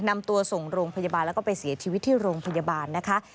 นำตัวส่งโรงพยาบาลแล้วก็ไปเสียชีวิตที่โรงพยาบาลนะคะ